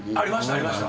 ありました。